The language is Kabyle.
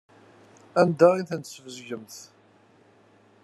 Anda ay tent-tesbezgemt?